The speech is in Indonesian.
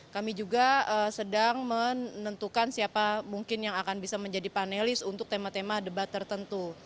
kami juga sedang menentukan siapa mungkin yang akan bisa menjadi panelis untuk tema tema debat tertentu